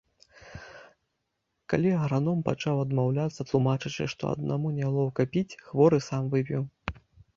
Калі аграном пачаў адмаўляцца, тлумачачы, што аднаму нялоўка піць, хворы сам выпіў.